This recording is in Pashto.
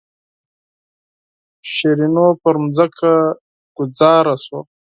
شیرینو پر ځمکه غوځاره شوه.